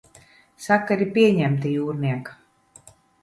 Sakari pieņemti, jūrniek?